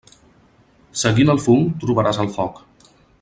Seguint el fum trobaràs el foc.